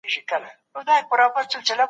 هغوی د خپل زړه په روغ ساتلو بوخت دي.